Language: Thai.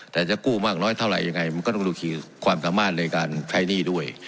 แต่จะใกล้กู้มากไรเท่าไรล่ะมันก็ต้องดูกันดูความสามารถในการพัยหนี้ด้วย